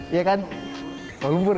iya kan kuala lumpur